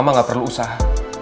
mama gak perlu usaha